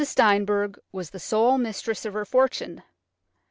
Steinberg was sole mistress of her fortune.